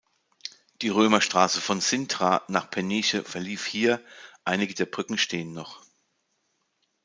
Die Römerstraße von Sintra nach Peniche verlief hier, einige der Brücken stehen noch.